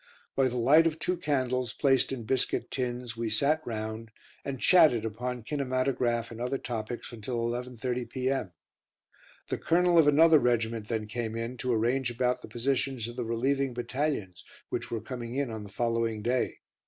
By the light of two candles, placed in biscuit tins, we sat round, and chatted upon kinematograph and other topics until 11.30 p.m. The Colonel of another regiment then came in to arrange about the positions of the relieving battalions which were coming in on the following day.